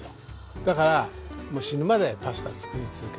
だからもう死ぬまでパスタつくり続けます。